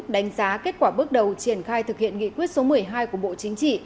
đánh giá kết quả bước đầu triển khai thực hiện nghị quyết số một mươi hai của bộ chính trị